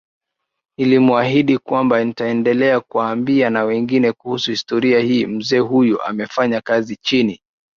Nilimuahidi kwamba nitaendelea kuwaambia na wengine kuhusu historia hii Mzee huyu amefanya kazi chini